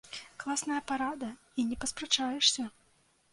Класная парада, і не паспрачаешся.